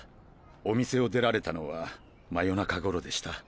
お店を出られたのは真夜中頃でした。